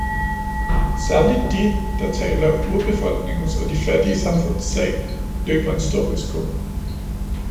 Særlig de, der taler urbefolkningens og de fattige samfunds sag, løber en stor risiko.